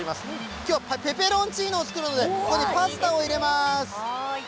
きょうはペペロンチーノを作るので、ここにパスタを入れます。